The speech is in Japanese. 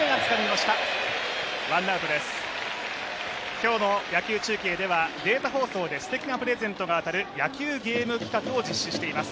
今日の野球中継では、データ放送ですてきなプレゼントが当たる野球ゲーム企画を実施しています。